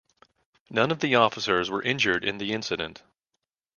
None of the officers were injured in the incident.